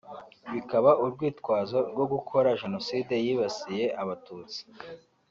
bikaba urwitwazo rwo gukora Jenoside yibasiye Abatutsi